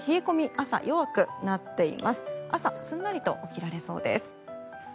朝、すんなりと起きられそうです。